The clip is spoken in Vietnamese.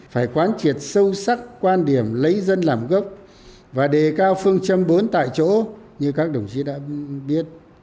phải quán triệt sâu sắc quan điểm lấy dân làm gốc và đề cao phương châm bốn tại chỗ như các đồng chí đã biết